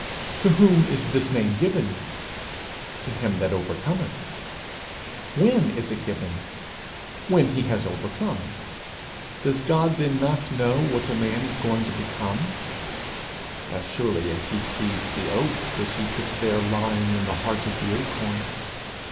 To whom is this name given? To him that overcometh. When is it given? When he has overcome. Does God then not know what a man is going to become? As surely as he sees the oak which he put there lying in the heart of the acorn.